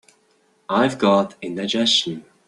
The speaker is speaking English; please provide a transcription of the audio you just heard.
I've got indigestion.